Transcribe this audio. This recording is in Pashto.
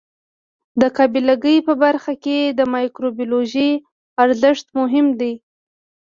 د قابله ګۍ په برخه کې د مایکروبیولوژي ارزښت مهم دی.